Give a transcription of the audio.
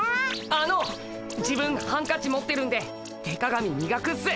あの自分ハンカチ持ってるんで手鏡みがくっす。